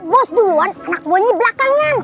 bos duluan anak gue ini belakangan